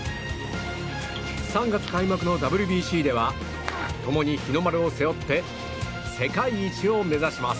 ３月開幕のＷＢＣでは共に日の丸を背負って世界一を目指します。